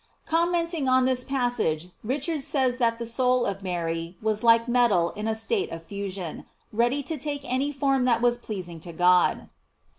"* Comment ing on this passage, Richard says that the soul of Mary was like metal in a state of fusion, ready to take any form that was pleasing to God.